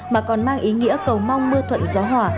mà còn mang ý nghĩa cầu mong mưa thuận gió hòa